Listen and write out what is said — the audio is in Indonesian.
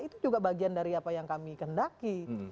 itu juga bagian dari apa yang kami kendaki